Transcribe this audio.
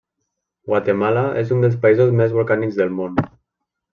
Guatemala és un dels països més volcànics del món.